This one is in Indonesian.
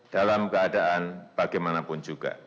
dalam keadaan bagaimanapun juga